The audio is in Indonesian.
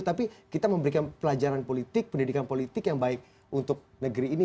tapi kita memberikan pelajaran politik pendidikan politik yang baik untuk negeri ini